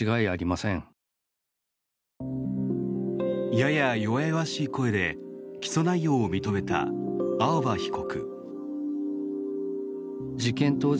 やや弱々しい声で起訴内容を認めた青葉被告。